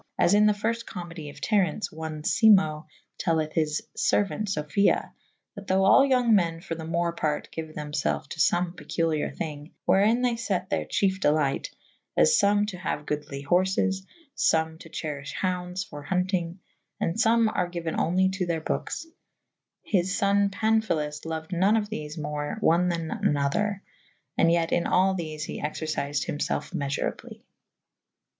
As in the fyrft comedie of Terence one Simo telleth his feruaunt Sofia / that thoughe all yonge men for the more parte gyue them felfe to fome peculiare thynge / wherin they fette theyr cheife delyght / as fome to haue goodly horfes / fome to cheryffhe houndes for huntyng /& fome are gyuen onely to theyr bokes / his fo«ne Panphilus loued none of thefe more one thaw an other /and yet in all thefe he exercifed hym felfe mefurably.